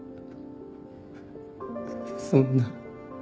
そんな。